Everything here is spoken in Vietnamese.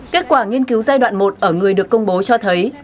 kết quả nghiên cứu giai đoạn một ở người được công bố cho thấy